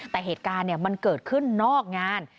แต่เหตุการณ์มันเกิดขึ้นนอกงาน